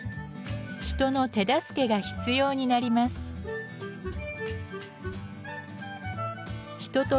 人の手助けが必要になります。